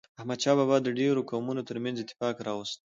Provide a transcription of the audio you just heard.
احمد شاه بابا د ډیرو قومونو ترمنځ اتفاق راوست.